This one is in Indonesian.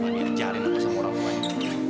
dia jahatin aku sama orang lain